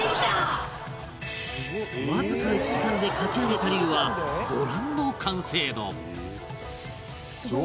わずか１時間で描き上げた龍はご覧の完成度